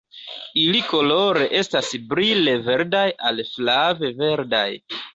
Ili kolore estas brile verdaj al flave verdaj.